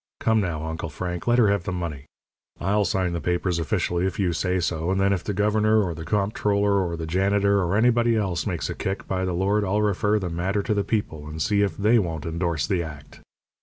Come, now, Uncle Frank, let her have the money. I'll sign the papers officially, if you say so; and then if the governor or the comptroller or the janitor or anybody else makes a kick, by the Lord I'll refer the matter to the people, and see if they won't endorse the act."